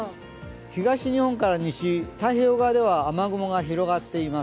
東日本から西、太平洋側では雨雲が広がっています。